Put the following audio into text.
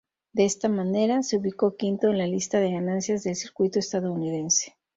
De esta manera, se ubicó quinto en la lista de ganancias del circuito estadounidense.